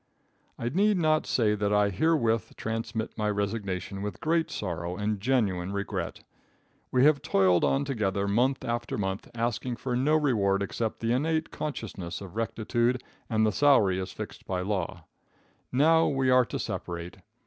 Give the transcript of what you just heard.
I need not say that I herewith transmit my resignation with great sorrow and genuine regret. We have toiled on together month after month, asking for no reward except the innate consciousness of rectitude and the salary as fixed by law. Now we are to separate.